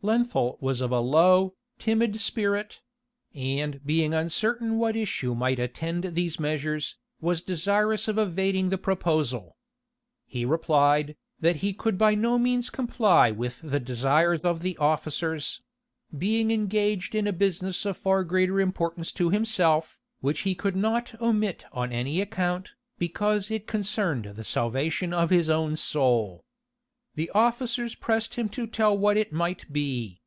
Lenthal was of a low, timid spirit; and being uncertain what issue might attend these measures, was desirous of evading the proposal. He replied, that he could by no means comply with the desire of the officers; being engaged in a business of far greater importance to himself, which he could not omit on any account, because it concerned the salvation of his own soul. The officers pressed him to tell what it might be.